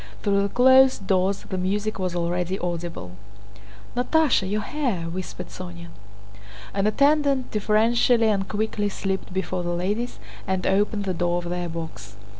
Through the closed doors the music was already audible. "Natásha, your hair!..." whispered Sónya. An attendant deferentially and quickly slipped before the ladies and opened the door of their box.